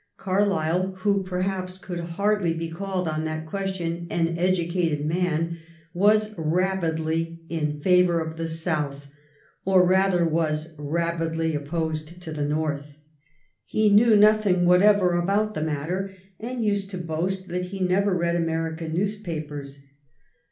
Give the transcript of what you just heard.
Carlyle, who perhaps could hardly be called, on that question, an educated man, was rabidly in favor of the South, or, rather, was rabidly opposed to the North. He knew nothing whatever about the matter, and used to boast that he never read American newspapers.